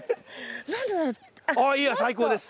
あっいや最高です。